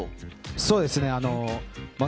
そうですね。